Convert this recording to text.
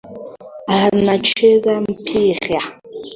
Anacheza mpira